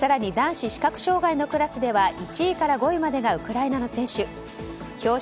更に、男子視覚障害のクラスでは１位から５位までがウクライナの選手。